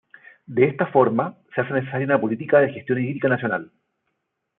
De esta forma, se hace necesaria una política de gestión hídrica nacional.